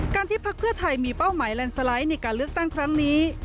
ที่พักเพื่อไทยมีเป้าหมายแลนด์สไลด์ในการเลือกตั้งครั้งนี้